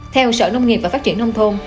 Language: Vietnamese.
theo sở nông nghiệp và phát triển nông thôn